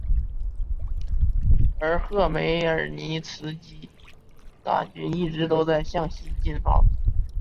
而赫梅尔尼茨基的大军一直都在向西进发。